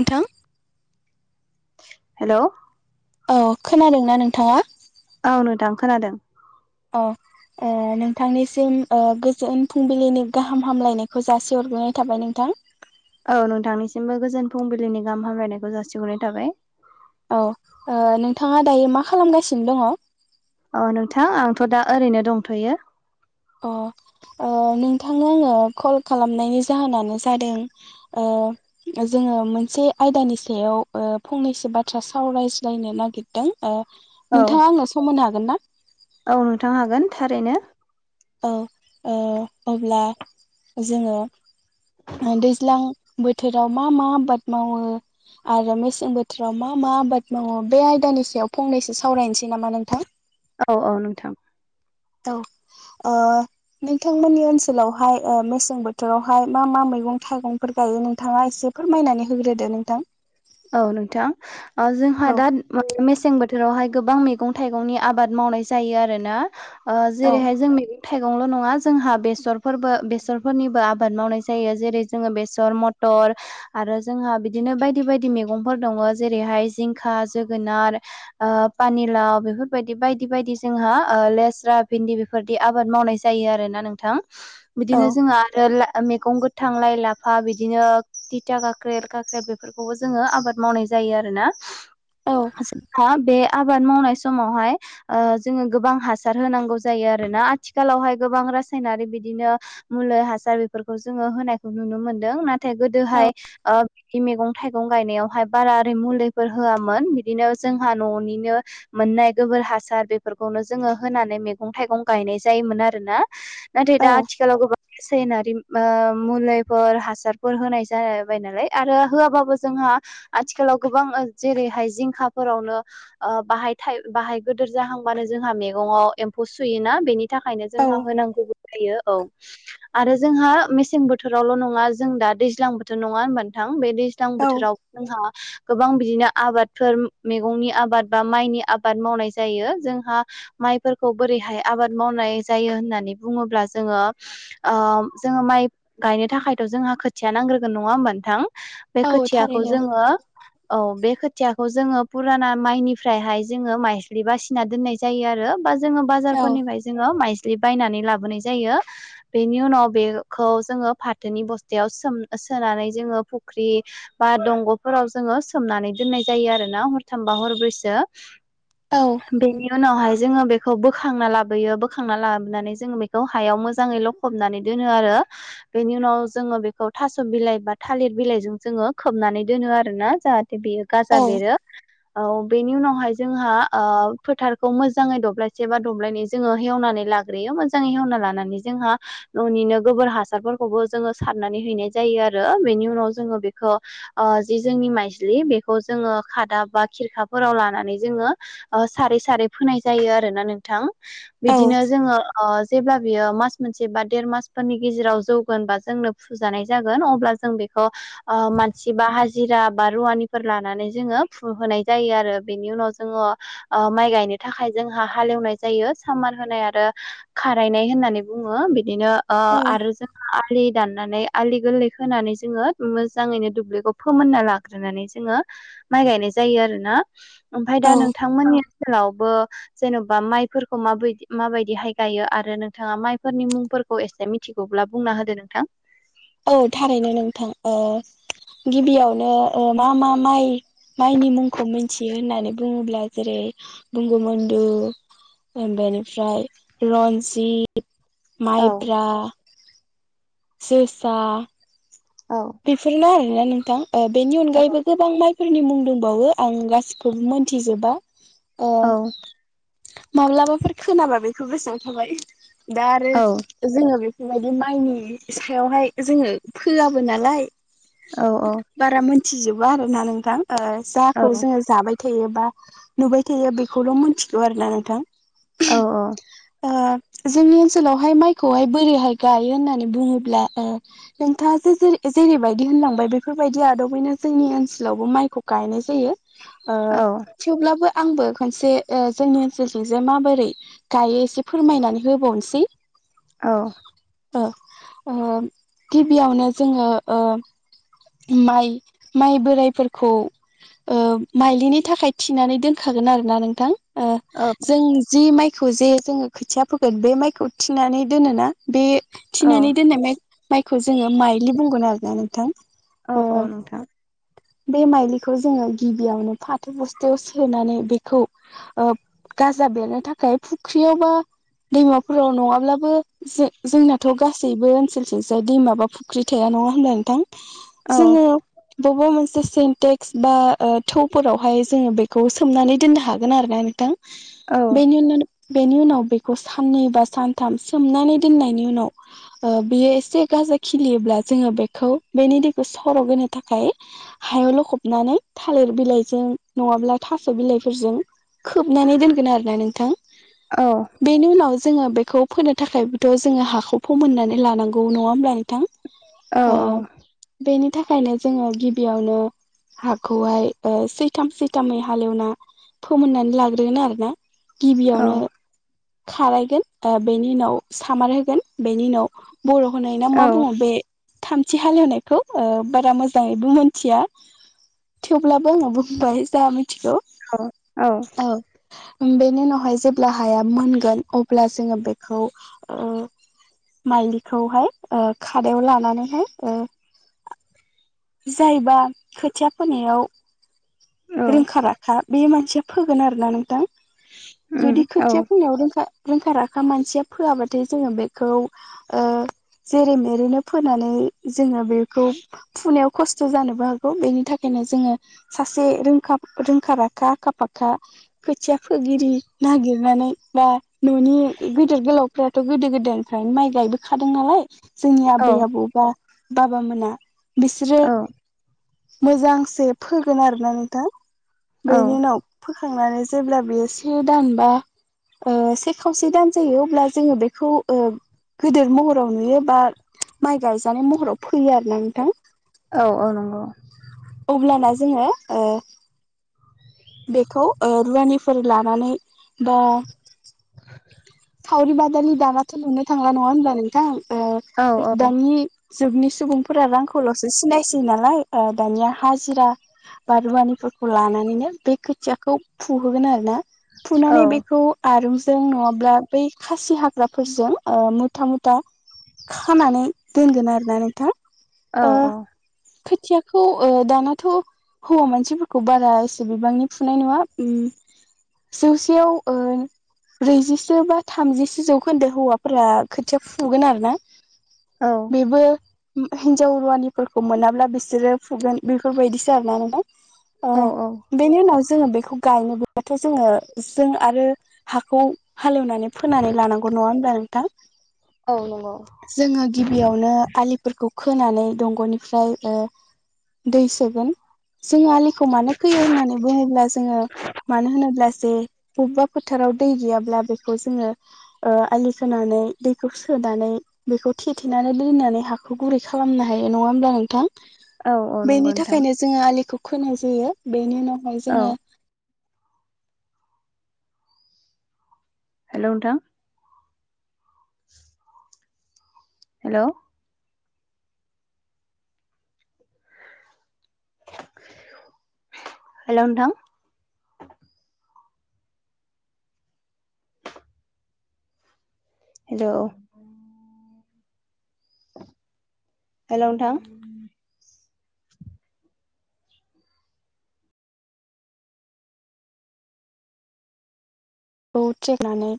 नोंथां हेल' औ खोनादोंना नोंथाङा औ नोंथां खोनादों। अ। ए नोंथांनिसिम ओ गोजोन फुंबिलिनि गाहाम हामलायनायखौ जासे हरग्रोनाय थाबाय नोंथां। औ नोंथांनिसिमबो गोजोन फुंबिलिनि गाहाम हामलायनायखौ जासिहरनाय थाबाय। औ ओ नोंथाङा दायो मा खालामगासिनो दङ? अ नोंथां आंथ' दा ओरैनो दंथ'यो। औ ओ नोंथांनो आङो कल खालामनायनि जाहोनानो जादों ओ जोङो मोनसे आयदानि सायाव ओ फंनैसो बाथ्रा सावरायज्लायनो नागि दों ओ औ नोंथाङा आङनो सम होनो हागोन ना? औ नोंथां हागोन थारैनो। औ ओ अब्ला जोङो दैज्लां बोथोराव मा मा आबाद मावो? आरो मेसें बोथोराव मा मा आबाद मावो बे आयदानि सायाव फंनैसो सावरायनोसै नामा नोंथां। औ औ नोंथां। औ ओ नोंथांमोननि ओनसोलावहाय ओ मेसें बोथोरावहाय मा मा मैगं थाइगंफोर गायो नोंथाङा एसेफ फोरमायनानै होग्रोदो नोंथां। औ नोंथां ओ जोंहा औ दा मेसें बोथ थोरावहाय गोबां मैगं थाइगंनि आबाद मावनाय जायो आरोना ओ औ जेरैहाय जों मे थाइगंल' नङा जोंहा बेसरफोरबो बेसरफोरनिबो आबाद मावनाय जायो जेरै जोङो बेसर मथ थर आरो जोंहा बिदिनो बायदि बायद दि मैगंफोर दङ जेरैहाय जिंखा जोगोनार। ओ पानिलाव बेफोरबायदि बायदि बायदि जोंहा ओ लेस्रा भिन्दि बेफ फोरदि आबाद मावनाय जायो आरोना नोंथां। [inaudible] बिदिनो जोंहा आर लाो मैगं गोथ थांलाय लाफा बिदिनो थिथा खाख्रेब काख्रेब बेफोरखौबो ज जोङो आबाद मावनाय जायो आरोना औ जोंहा बे आबाद मावनाय समावहाय ओ जोङो गोबां हासार होनांगौ जायो आरोना आथिखालावहाय गोबां रासायनारि बिदिनो मुलुलि हासार बेफोरखौ जोङो होनायखौ नुनो मोनदों नाथाय गोदोहाय ओ बिदि मैगं थाइग गं गायनायावहाय बारा ओरै मुलिफोर होआमोन बिदिनो जोंहा न'निनो मोननाय गोबोर हासार बेफोरखौनो जोङो होनानै मैगं थाइगं गायनाय जायोमोन आरोना। नाथाय औ दा आजखालाव गोबां सेनारिम ओ मुलिफोर हासारफोर होनाय जाबाय नालाय आरो होआाबाबो जोंहा आथिखालाव गोबां ओ जेरैहाय जिंखाफोरावनो ओ बाहाय बाहाय गिदिर जाहांबानो जोंहा मैगंङाव एम्फौ सुयोना बेनि थाखायनो जोंहा होनांगौबो जायो औ। आरो जोंहा मेसें बोथोरावल' नङा जों दा दैज्लां बोथोर नङा होनबानोथां बे दैज्लां बोथ औ बोथोराव जोंहा गोबां बिदिनो आबादफोर मैगंनि आबाद बा माइनि आबाद मावनाय जायो जोंहा माइफोरखौ बोरैहाय आबाद मावनाय जायो होननानै बुङोब्ला जोङो जोङो माइ गायनो थाखायथ' जोंहा खोथिया नांग्रोगोन नङा होमब नोंथां बे औ खोथियाखौ थारैनो जोङो औ बे खोथियाखौ जोङो फुराना माइनिफ्रायहाय जोङो माइस्लि बासिना दोननाय जायो आरो बा जोङो औ बाजारफोरनिफ्राय जोङो माइस्लि बायनानै लाबोनाय जायो। बेनि उनाव बेखौ जोङो फाथोनि बस्थायाव सोम सोनानै जोङो फुख्रि बा दंग'फोराव जोङो सोमनानै दोननाय जायो आरोना हरथामबा हरब्रैसो। औ। बेनि उनावहाय जोङो बेखौ बोखांना लाबोयो बोखांना लाबोनानै जोङो बेखौ हायाव मोजाङैल' फबनानै दोनो आरो बेनि उनाव जोङो बेखौ थास' बिलाइ बा थालिर बिलाइजों जोङो खोबनानै दोनो आरो ना जाहाथे बेयो गाजा बेरो [unintelligible] औ बेनि उनावहाय जोंहा फोथारखौ मोजाङै दब्लायसे बा दब्लायनै जोङो एवनानै लागोन हग्रोयो मोजाङै हेवना लानानै जोंहा न'निनो गोबोर हासारफोरखौबो जोङो सारनानै हैनाय जायो आरो बेनि उनाव जोङो बे जि जोंनि माइजलि बेखौ जोङो खादा बा खिरखाफोराव लानानै जोङो सारै सारै फोनाय जायो आरोना नोंथां औ बिदिनो जोङो जेब्ला बियो मास मोनसे बा देर मासफोरनि गेजेराव जौगोन बा जोंनो फुजानाय जागोन अब्ला जों बे अ मानसि बा हाजिरा बा रुवानिफोर लानानै जोङो फु होनोनाय जायो आरो बेनि उनाव जोङो माइ गायनो थाखाय जोंहा हालेवनाय जायो सामार होनाय आरो खारायनाय होननानै बुङो बिदिनो औ आरो जों आलि दाननानै आलि गोरलै होनानै जोङो मोजाङैनो दुब्लिखौ फोमोनना लाग्रोनानै जोङो माइ गायनाय जायो आरोना ओमफ्राय दा औ नोंथांमोननि ओनसोलावबो जेन'बा माइफोरखौ माब माबायदिहाय गायो आरो नोंथाङा माइफोरनि मुंफोरखौ एसे मिथिगौब्ला बुंना होदो नोंथां औ थारैनो नोंथां गिबियावनो मा मा माइ माइनि मुंखौ मिथियो होननानै बुङोब्ला जेरै बंगुमन्दु बेनिफ्राय रन्जित औ माइब्रा जोसा औ बेफोरनो आरोना नोंथां बेनि अनगायैबो गोबां माइ फोरनि मुं दंबावो आं गासिखौबो मोनथिजोबा औ माब्लाबाफोर खोनाबा बेखौ बेसेबां थाबाय दा आरो औ जोङो बेफोरबायदि माइनि सायावहाय जोङो फोआबो नालाय औ औ बारा मोनथिजोबो आरोना नोंथां औ जाखौ जोङो जाबाय थायोबा नुबाय थायो बेखौल' मिथिगौ आरोना नोंथां औ औ जोंनि ओनसोलावहाय माइखौहाय बोरैहाय गायो होननानै बुङोब्ला एन्था जेरै जेरैबायदि होनलांबाय बेफोरबायदि आदबैनो जोंनि ओनसोलावबो माइखौ गायनाय जायो थेवब्लाबो आंबो खनसे जोंनि ओनसोलजों जे माबोरै गायो एसे फोरमायनानै होबावनोसै औ गिबियावनो जोङो माइ माइ बोरायफोरखौ माइलिनि थाखाय थिनानै दोनखागोन आरो ना नोंथां औ जों जि माइखौ जे जोङो खोथिया फोगोन बे माइखौ थिनानै दोनोना? बे औ थिनानै दोननाय माइ माइखौ जोङो माइलि बुंगोन आरोना नोंथां। औ ओ औ नोंथां बे माइलिखौ जोङो गिबियावनो फाथो बस्थायाव सोनानै बेखौ ओ गाजा बेरनो थाखाय फुख्रियाव बा दैमाफोराव नङाब्लाबो जों जोंनाथ' गासैबो ओनसोलसो जाय दैमा बा फुख्रि थाया नङा होनब्ला नोंथां औ जोङो बबेबा मोनसे सिन्टेक्स बा ओ थौफोरावहाय जोङो बेखौ सोमनानै दोननो हागोन आरो ना नोंथां औ बेनि उनावनो बेनि उनाव बेखौ साननै बा सानथाम सोमनानै दोननायनि उनाव ओ बियो एसे गाजा खिलियोब्ला जोङो बेखौ बेनि दैखौ सर' होनो थाखाय हायाव लखबनानै थालिर बिलाइजों नङाब्ला थास' बिलाइफोरजों खोबनानै दोनगोन आरोना नोंथां। औ बेनि उनाव जोङो बेखौ फोनो थाखायथ' जोङो हाखौ फोमोननानै लानांगौ नङा होमब्ला नोंथां? औ ओ औ बेनि थाखायनो जोङो गिबियावनो हाखौहाय ओ सैथाम सैथामै हालेवना फोमोननानै लाग्रोगोन आरोना। गिबियावनो खारायगोन ओ बेनि उनाव सामार होगोन बेनि उनाव बर' होनाय ना मा औ बुङो बे थामथि हालेवनायखौ ओ बारा मोजाङैबो मोनथिया। थेवब्लाबो आङो बुंबाय जा मिथिगौ। औ औ औ बेनि उनावहाय जेब्ला हाया मोनगोन अब्ला जोङो बेखौ ओ माइलिखौहाय ओ खादायाव लानानैहाय ओ जायबा खोथिया फोनायाव रोंखा राखा बे मानसि फोगोन आरोना नोंथां। उम जुदि औ खोथिया फोनायाव रोंखा रोंखा राखा मानसिया फोआबाथाय जोङो बेखौ ओ जेरै मेरैनो फोनानै जोङो बे खौ फुनायाव खस्थ' जानोबो हागौ बेनि थाखायनो जोङो सासे रोंखा रोंखा-राखा आखा-फाखा खोथिया फोगिरि नागिरनानै बा न'नि गेदेर गोलाव फोराथ' गोदो गोदायनिफ्रायनो माइ गायबोखादों नालाय जोंनि आबै औ आबौ बा बा मोना बिसोरो औ मोजांसे फोगोन आरो ना नोंथां। बेनि उनाव फोखांनानै जेब्ला बेयो से दान बा ओ से खावसे दान जायो अब्ला जोङो बेखौ ओ गिदिर महराव नुयो बा माइ गायजानाय महराव फैयो आरोना नोंथां। औ औ नंगौ अब्लाना जोङो ओ बेखौ ओ रुवानिफोर लानानै बा सावरि बादलि दानाथ' नुनो थांला नङा होनबा नोंथां ओ औ दानि जुगनि सुबुंफोरा रांखौल'सो सिनायसै नालाय ओ दानिया हाजिरा बा रुवानिफोरखौ लानानैनो बे खोथियाखौ फुहोगोन आरो ना औ फुनानै बेखौ आरुजों नङाबा ब्ला बै खासि हाग्राफोरजों ओ मुथा मुथा खानानै दोनगोन आरोना नोंथां। ओ औ औ खोथियाखौ ओ दानाथ' हौवा मानसिफोरखौ बारा एसे बिबांनि फुनाय नुवा। उम जौसेयाव ब्रैजि ज बा थामजिसेो जौखोन्दो हौवाफोरा खोथिया फुगोन आरो ना। औ बेबो हिनजाव रुवानिफोरखौ मोनाब्ला बिसोरो फुगोन बेफोरबायदिसो [unintelligible] नालाय । ओ औ नंगौ बेनि उनाव जोङो बेखौ गायनोब्लथ' जोङो जों आरो हाखौ हालेवनानै फोनानै लानांगौ नङा होनोमबब्ला नोंथां? औ नंगौ जोङो गिबियावनो आलिफोरखौ खोनानै दंग'निफ्राय ओ दै सोगोन। जोङो आलिखौ मानो खोयो होननानै बुङोब्ला जोङो मानो होनोब्ला जे बबेबा फोथाराव दै गैयाब्ला बेखौ जोङो आलि खोनानै दैखौ सोनानै बेखौ थेथेनानै दोननानै हाखौ गुरै खालामनो हायो, नङा होमब्ला नोंथां? औ नंगौ बेनि नोंथां थाखायनो जोङो आलिखौ खोनाय जायो बेनि उनावहाय औ जोङो हेल' नोंथां। [unintelligible] हेल'। हेल' नोंथां। हेलौ। हेल'थां। खौथेनानै